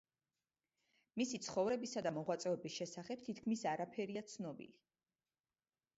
მისი ცხოვრებისა და მოღვაწეობის შესახებ თითქმის არაფერია ცნობილი.